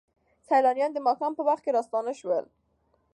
سیلانیان د ماښام په وخت کې راستانه شول.